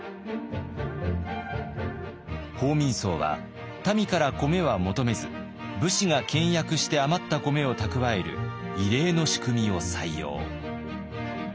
報民倉は民から米は求めず武士が倹約して余った米を蓄える異例の仕組みを採用。